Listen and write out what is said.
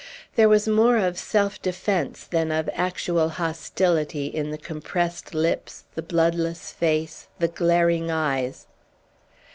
There was more of self defence than of actual hostility in the compressed lips, the bloodless face, the glaring eyes.